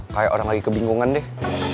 kayak orang lagi kebingungan deh